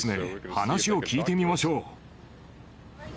話を聞いてみましょう。